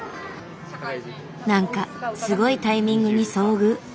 何かすごいタイミングに遭遇。